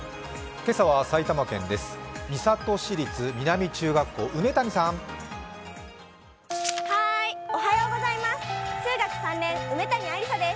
今朝は埼玉県です。